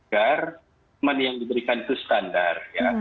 garemen yang diberikan itu standar ya